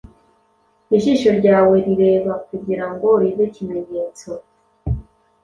Ijisho ryawe rirebakugirango ribe ikimenyetso